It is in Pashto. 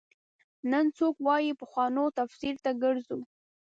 نن څوک وايي پخوانو تفسیر ته ګرځو.